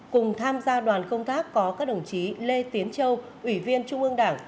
cùng tham gia đoàn công tác có các đồng chí lê tiến châu ủy viên trung ương đảng